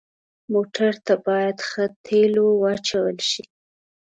موټر ته باید ښه تیلو واچول شي.